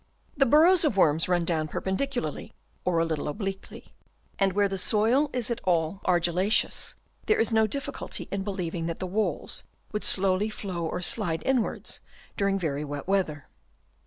The burrows of worms run down perpen dicularly or a little obliquely, and where the soil is at all argillaceous, there is no difficulty in believing that the walls would slowly flow or slide inwards during very wet weather.